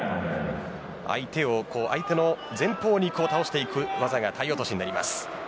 相手の前方に倒していく技が体落になります。